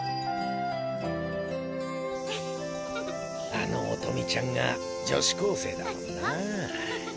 あの音美ちゃんが女子高生だもんな。